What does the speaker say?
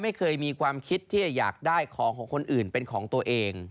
ไม่เคยมีความคิดที่จะอยากได้ของของคนอื่นเป็นของตัวเอง